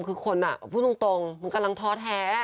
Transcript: คือคนพูดตรงมันกำลังท้อแท้